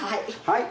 はい。